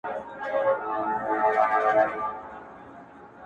ستا سترگو كي بيا مرۍ. مرۍ اوښـكي.